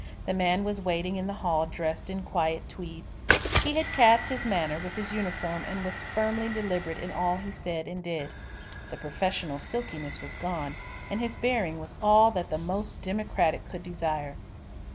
The man was waiting in the hall dressed in quiet tweeds. He had cast his manner with his uniform and was firmly deliberate in all he said and did. The professional silkiness was gone, and his bearing was all that the most democratic could desire.